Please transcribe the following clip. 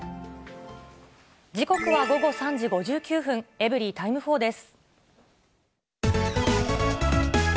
時刻は午後３時５９分、エブリィタイム４です。